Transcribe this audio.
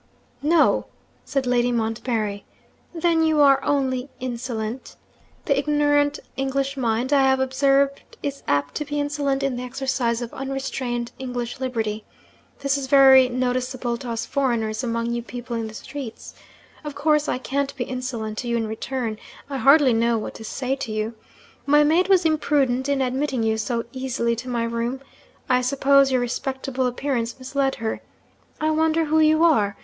'No?' said Lady Montbarry. 'Then you are only insolent? The ignorant English mind (I have observed) is apt to be insolent in the exercise of unrestrained English liberty. This is very noticeable to us foreigners among you people in the streets. Of course I can't be insolent to you, in return. I hardly know what to say to you. My maid was imprudent in admitting you so easily to my room. I suppose your respectable appearance misled her. I wonder who you are?